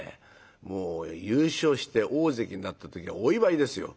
もう優勝して大関になった時お祝いですよ。